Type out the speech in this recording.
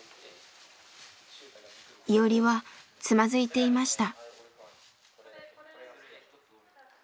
イオリはつまずいていました。